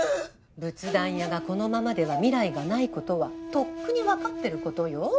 仏壇屋がこのままでは未来がないことはとっくに分かってることよ。